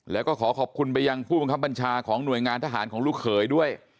แล้วก็ขอขอบคุณไปยังผู้บังคับบัญชาของหน่วยงานทหารของลูกเขยด้วย